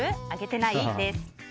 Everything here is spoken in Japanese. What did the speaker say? あげてない？です。